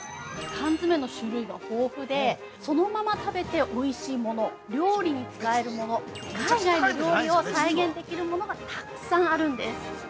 缶詰の種類は豊富でそのまま食べておいしいもの、料理に使えるもの、海外の料理を再現できるものがたくさんあるんです。